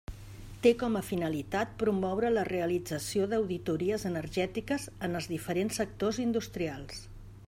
Té com a finalitat promoure la realització d'auditories energètiques en els diferents sectors industrials.